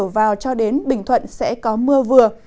vào cho đến bình thuận sẽ có mưa vừa